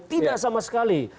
tidak sama sekali